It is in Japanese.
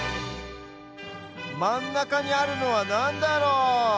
まんなかにあるのはなんだろ？